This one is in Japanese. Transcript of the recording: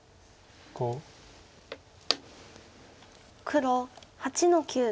黒８の九。